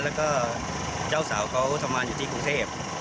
แล้วก็เจ้าสาวเขาทำงานอยู่ที่กรุงเทพ